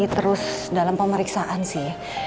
terus dalam pemeriksaan sih